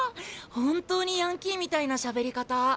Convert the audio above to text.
本当にヤンキーみたいなしゃべり方。